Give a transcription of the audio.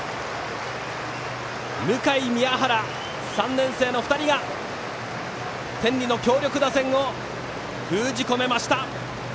向井、宮原３年生の２人が天理の強力打線を封じ込めました。